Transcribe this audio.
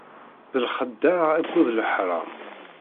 D lexdeɛ akked leḥram.